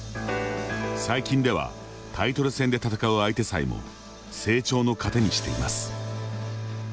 最近ではタイトル戦で戦う相手さえも成長の糧にしています。